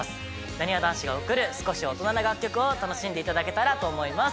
なにわ男子が送る少し大人な楽曲を楽しんでいただけたらと思います。